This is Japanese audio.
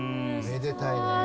めでたいね。